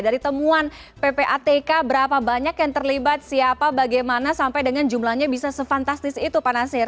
dari temuan ppatk berapa banyak yang terlibat siapa bagaimana sampai dengan jumlahnya bisa se fantastis itu pak nasir